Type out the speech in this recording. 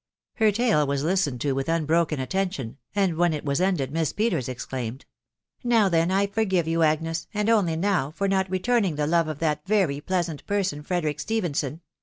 Her tale was listened to with unbroken attention, and when ; it was ended Miss Peters exclaimed —'" Now then, I forgive you, Agnes, and only now, for not returning the love of that very pleasant person Frederic Ste phenson